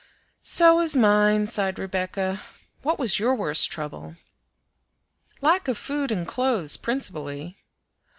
"So was mine," sighed Rebecca. "What was your worst trouble?" "Lack of food and clothes principally."